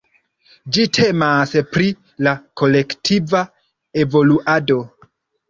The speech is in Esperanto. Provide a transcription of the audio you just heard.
Ĝi temas pri la kolektiva evoluado.